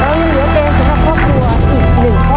ยังเหลือเกมสำหรับครอบครัวอีก๑ข้อ